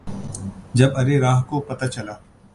جب ارے راہ کو پتہ چلا